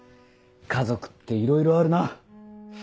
家族っていろいろあるな。